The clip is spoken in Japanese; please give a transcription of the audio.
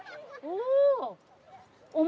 お！